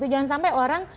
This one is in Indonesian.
jangan sampai orang